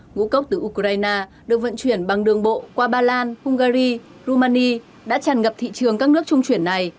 ngũ cốc từ ukraine được vận chuyển bằng đường bộ qua ba lan hungary rumani đã tràn ngập thị trường các nước trung chuyển này